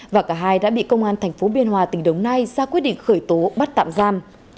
và cả hai đã bị công an tp biên hòa tỉnh đồng nai ra quyết định khởi tố bắt tạm giam